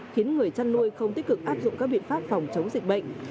khiến người chăn nuôi không tích cực áp dụng các biện pháp phòng chống dịch bệnh